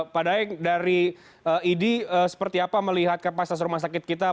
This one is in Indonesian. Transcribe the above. pak daeng dari idi seperti apa melihat kapasitas rumah sakit kita